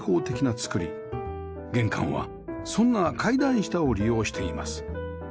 玄関はそんな階段下を利用しています